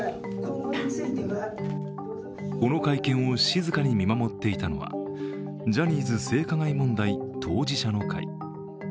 この会見を静かに見守っていたのはジャニーズ性加害問題当事者の会。